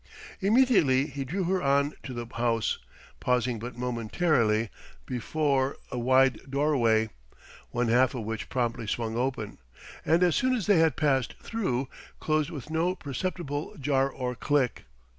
Immediately he drew her on to the house, pausing but momentarily before a wide doorway; one half of which promptly swung open, and as soon as they had passed through, closed with no perceptible jar or click.